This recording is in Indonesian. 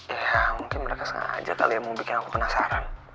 ya mungkin mereka sengaja kali ya mau bikin aku penasaran